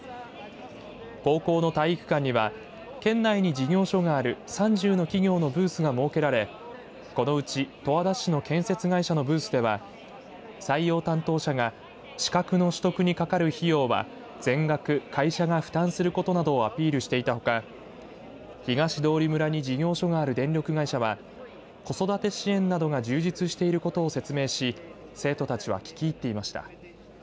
高校の体育館には県内に事業所がある３０の企業のブースが設けられこのうち十和田市の建設会社のブースでは採用担当者が資格の取得にかかる費用は全額会社が負担することなどをアピールしていたほか東通村に事業所がある電力会社は子育て支援などが充実していることを説明し生徒たちは聞き入っていました。